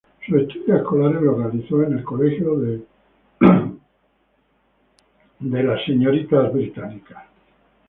Sus estudios escolares los realizó en el colegio de las monjas Inglesas.